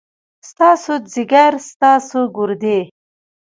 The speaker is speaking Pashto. ستاسو ځيګر ، ستاسو ګردې ،